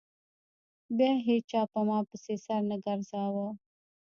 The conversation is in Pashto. بيا هېچا په ما پسې سر نه گرځاوه.